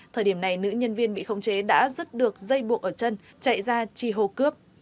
thời điểm này nữ nhân viên bị khống chế đã rứt được dây buộc ở chân chạy ra chi hô cướp